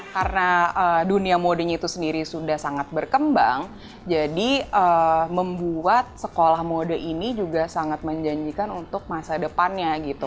karena dunia modenya itu sendiri sudah sangat berkembang jadi membuat sekolah mode ini juga sangat menjanjikan untuk masa depannya gitu